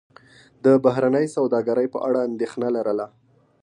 د بهرنۍ سوداګرۍ په اړه اندېښنه لرله.